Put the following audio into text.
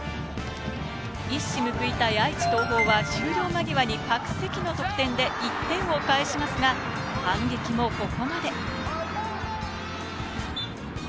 一矢報いたい愛知・東邦は終了間際に１点を返しますが、反撃もここまで。